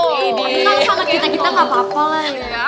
kalau sama kita kita gak apa apa lah